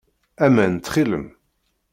Aman, ttxil-m.